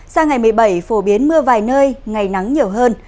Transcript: sang ngày một mươi bảy phổ biến mưa vài nơi ngày nắng nhiều hơn